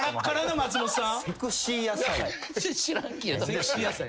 松本さん。